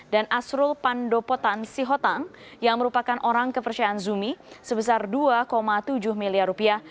dan asrul pandopotan sihotang yang merupakan orang kepercayaan zumi sebesar dua tujuh miliar rupiah